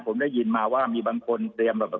ผมได้ยินมาว่ามีบางคนเตรียมแบบ